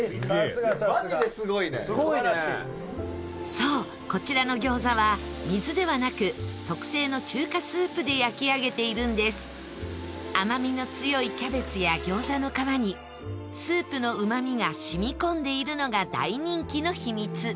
そう、こちらの餃子は水ではなく、特製の中華スープで焼き上げているんです甘みの強いキャベツや餃子の皮にスープのうま味が染み込んでいるのが大人気の秘密